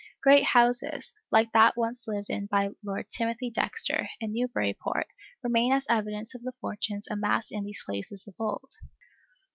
Great houses, like that once lived in by Lord Timothy Dexter, in Newburyport, remain as evidence of the fortunes amassed in these places of old.